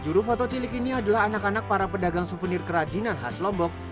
juru foto cilik ini adalah anak anak para pedagang souvenir kerajinan khas lombok